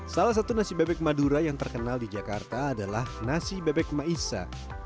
salah satu nasi bebek madura yang terkenal di jakarta adalah nasi bebek maisa